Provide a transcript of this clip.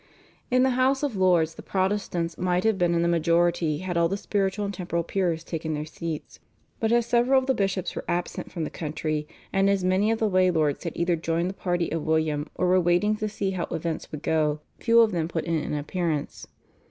In the House of Lords the Protestants might have been in the majority had all the spiritual and temporal peers taken their seats, but as several of the bishops were absent from the country, and as many of the lay lords had either joined the party of William or were waiting to see how events would go, few of them put in an appearance.